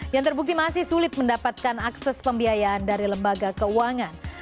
yang terbukti masih sulit mendapatkan akses pembiayaan dari lembaga keuangan